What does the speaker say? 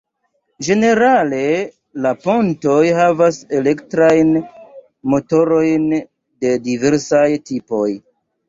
Ĝenerale la pontoj havas elektrajn motorojn de diversaj tipoj.